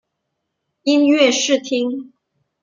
音乐试听